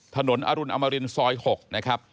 อรุณอมรินซอย๖นะครับ